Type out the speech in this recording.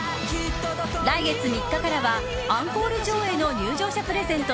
来月３日からはアンコール上映の入場者プレゼント